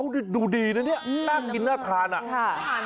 ก็ดูดีนะเนี่ยด้านกินหน้าทาน